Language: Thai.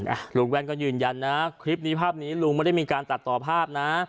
อ่ะลุงแว่นก็ยืนยันนะคลิปนี้ภาพนี้ลุงไม่ได้มีการตัดต่อภาพนะ